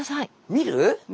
見る？